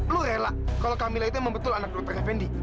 lu rela kalau kamila itu yang membetul anak dokter effendi